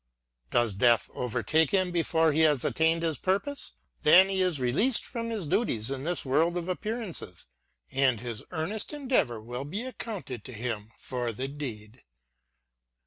Does death overtake him before he has attained his purpose ?— then he is re leased from his duties in this world of appearances, and his earnest endeavour will be accounted to him for the deed.